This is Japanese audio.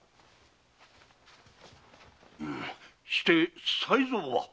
して才三は？